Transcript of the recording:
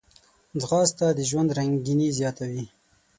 ځغاسته د ژوند رنګیني زیاتوي